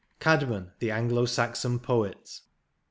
CAEDMON THE ANGLO SAXON POET.